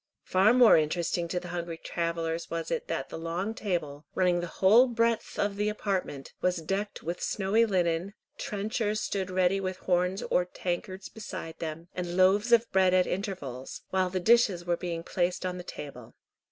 Far more interesting to the hungry travellers was it that the long table, running the whole breadth of the apartment, was decked with snowy linen, trenchers stood ready with horns or tankards beside them, and loaves of bread at intervals, while the dishes were being placed on the table.